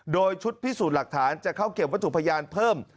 โดยชุดพิสูจน์หลักฐานจะเข้าเก็บวัตถุพยานเพิ่ม